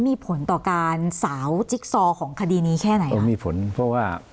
มีผลต่อการสาวจิ๊กซอของคดีนี้แค่ไหนอ๋อมีผลเพราะว่า